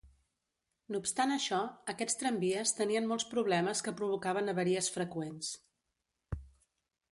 No obstant això, aquests tramvies tenien molts problemes que provocaven avaries freqüents.